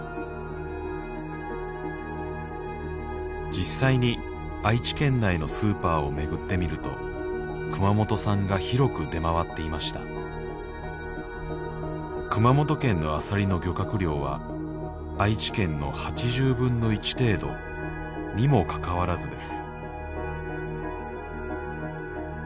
実際に愛知県内のスーパーを巡ってみると熊本産が広く出回っていました熊本県のアサリの漁獲量は「愛知県の８０分の１程度」にもかかわらずです